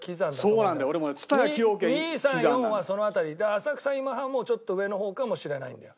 浅草今半もちょっと上の方かもしれないんだよ。